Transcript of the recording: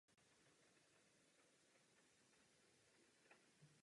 Hlasovala jsem pro tuto zprávu o politice trvale udržitelné dopravy.